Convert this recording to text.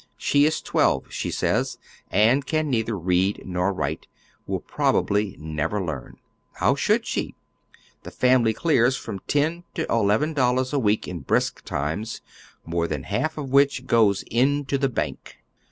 She is twelve, she says, and can neither read nor write; will probably never learn. How should slie? The family clears from ten to eleven dollars a week in brisk times, more than half of which goes into the bank.